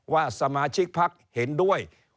ว่าสมาชิกพักเห็นด้วย